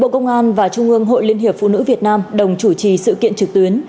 bộ công an và trung ương hội liên hiệp phụ nữ việt nam đồng chủ trì sự kiện trực tuyến